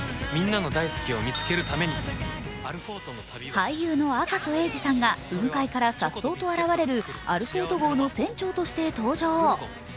俳優の赤楚衛二さんが雲海からさっそうと現れる「アルフォート号」の船長として登場。